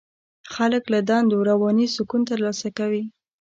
خلک له دندو رواني سکون ترلاسه کوي.